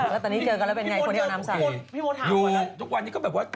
แล้วตอนนี้เจอกันแล้วเป็นยังไงโรงแรมมาเอาน้ำสาด